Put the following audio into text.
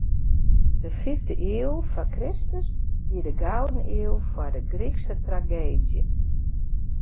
De fiifde iuw foar Kristus wie de gouden iuw foar de Grykske trageedzje.